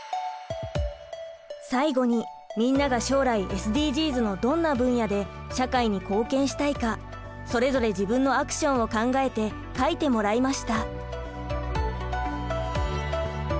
最後にみんなが将来ＳＤＧｓのどんな分野で社会に貢献したいかそれぞれ自分のアクションを考えて書いてもらいました。